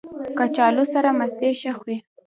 کچالو سره مستې ښه خوري